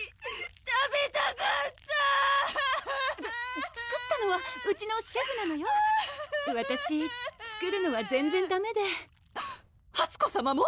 食べたかったつ作ったのはうちのシェフなのよわたし作るのは全然ダメではつこさまも⁉「も」？